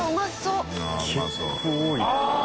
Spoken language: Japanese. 結構多い。